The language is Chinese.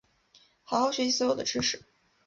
好好学习所有的知识